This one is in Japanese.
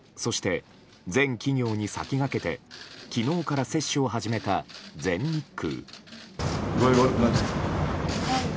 そして、全企業に先駆けて昨日から接種を始めた全日空。